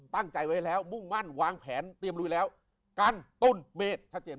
ตั้งใจไว้แล้วมุ่งมั่นวางแผนเตรียมลุยแล้วกันต้นเมษชัดเจน